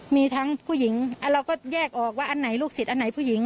มีทั้งผู้หญิงเราก็แยกออกว่าอันไหนลูกศิษย์อันไหนผู้หญิง